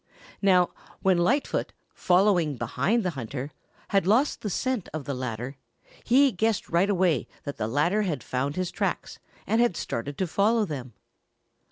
Now when Lightfoot, following behind the hunter, had lost the scent of the latter, he guessed right away that the latter had found his tracks and had started to follow them.